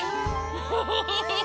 ウフフフフフ！